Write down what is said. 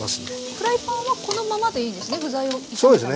フライパンはこのままでいいんですね？